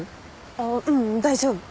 あっううん大丈夫。